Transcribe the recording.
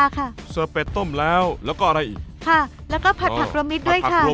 กินลองได้เลยค่ะ